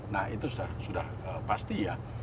nah itu sudah pasti ya